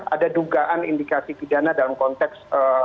ada dugaan indikasi pidana dalam konteks